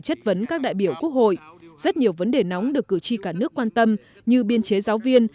chất vấn các đại biểu quốc hội rất nhiều vấn đề nóng được cử tri cả nước quan tâm như biên chế giáo viên